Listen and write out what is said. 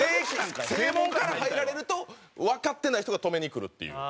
正門から入られるとわかってない人が止めにくるっていう。